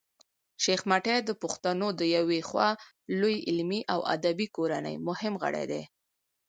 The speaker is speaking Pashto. شېخ متي د پښتنو د یوې خورا لويي علمي او ادبي کورنۍمهم غړی دﺉ.